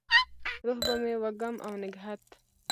روح به مې وږم او نګهت،